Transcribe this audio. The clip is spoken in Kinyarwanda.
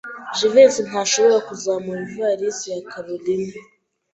Jivency ntashobora kuzamura ivalisi ya Kalorina.